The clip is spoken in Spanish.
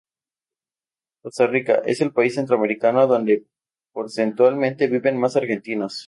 Costa Rica es el país centroamericano donde porcentualmente viven más argentinos.